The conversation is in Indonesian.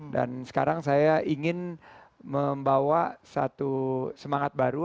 dan sekarang saya ingin membawa satu semangat baru